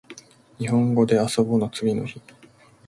にほんごであそぼの次の日